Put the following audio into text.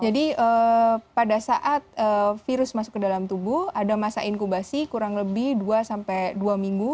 jadi pada saat virus masuk ke dalam tubuh ada masa inkubasi kurang lebih dua sampai dua minggu